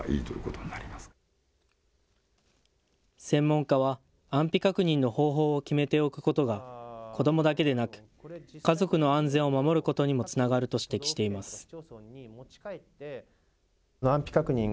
専門家は安否確認の方法を決めておくことが子どもだけでなく家族の安全を守ることにもつながると指摘しています。